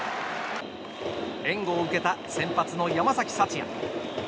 援護を受けた先発の山崎福也。